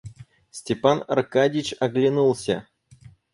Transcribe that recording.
Степан Аркадьич оглянулся.